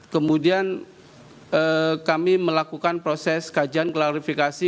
kemudian kami melakukan proses kajian klarifikasi